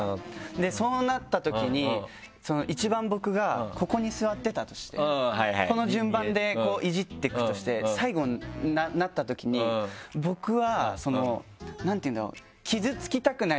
そうなったときに一番僕がここに座ってたとしてこの順番でイジっていくとして最後になったときに僕は何ていうんだろう？